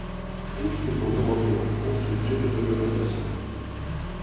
Il fait en Europe et en France l’objet de réglementations.